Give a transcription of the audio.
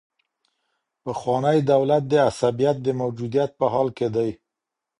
پخوانی دولت د عصبيت د موجودیت په حال کي دی.